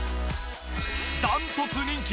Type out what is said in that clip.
断トツ人気！